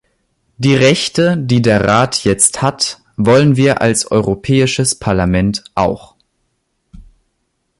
Die Rechte, die der Rat jetzt hat, wollen wir als Europäisches Parlament auch.